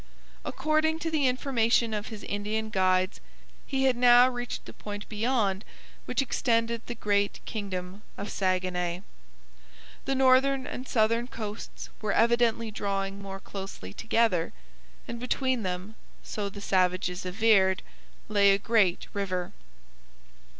According to the information of his Indian guides, he had now reached the point beyond which extended the great kingdom of Saguenay. The northern and southern coasts were evidently drawing more closely together, and between them, so the savages averred, lay a great river.